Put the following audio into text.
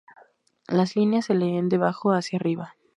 Las líneas se leen de abajo hacia arriba.